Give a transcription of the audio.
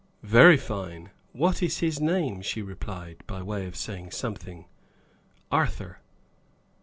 "Very fine. What is his name?" she replied, by way of saying something. "Arthur."